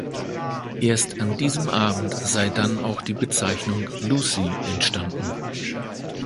Erst an diesem Abend sei dann auch die Bezeichnung "Lucy" entstanden.